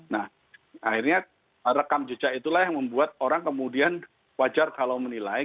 nah akhirnya rekam jejak itulah yang membuat orang kemudian wajar kalau menilai